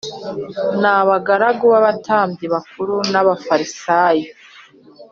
n abagaragu b abatambyi bakuru n ab Abafarisayo